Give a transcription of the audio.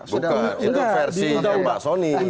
buka ini versi mbak soni